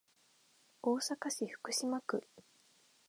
大阪市福島区